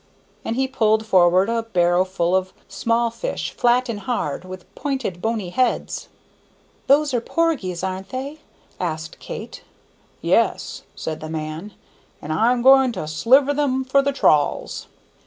And he pulled forward a barrow full of small fish, flat and hard, with pointed, bony heads. "Those are porgies, aren't they?" asked Kate. "Yes," said the man, "an' I'm going to sliver them for the trawls."